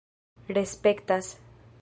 respektas